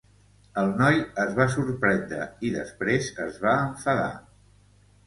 El noi es va sorprendre i, després, es va enfadar.